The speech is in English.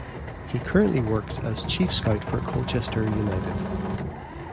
He currently works as chief scout for Colchester United.